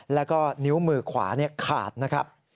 แล้วก็นิ้วมือขวาขาดนะครับ